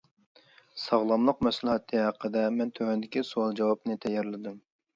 ساغلاملىق مەھسۇلاتى ھەققىدە مەن تۆۋەندىكى سوئال-جاۋابنى تەييارلىدىم.